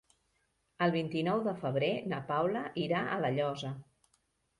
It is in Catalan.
El vint-i-nou de febrer na Paula irà a La Llosa.